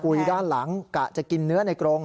ด้านหลังกะจะกินเนื้อในกรง